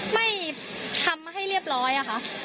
ไม่ทำให้เรียบร้อยอะค่ะ